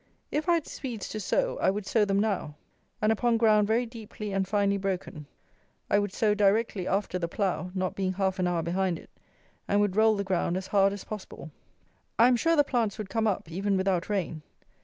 If I had Swedes to sow, I would sow them now, and upon ground very deeply and finely broken. I would sow directly after the plough, not being half an hour behind it, and would roll the ground as hard as possible. I am sure the plants would come up, even without rain.